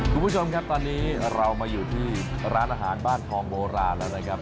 คุณผู้ชมครับตอนนี้เรามาอยู่ที่ร้านอาหารบ้านทองโบราณแล้วนะครับ